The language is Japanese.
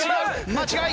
間違い！